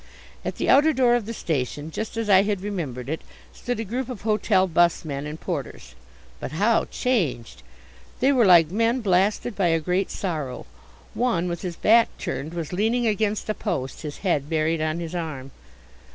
At the outer door of the station just as I had remembered it stood a group of hotel bus men and porters. But how changed! They were like men blasted by a great sorrow. One, with his back turned, was leaning against a post, his head buried on his arm.